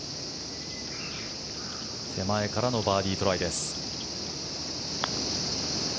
手前からのバーディートライです。